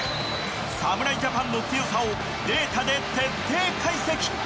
侍ジャパンの強さをデータで徹底解析。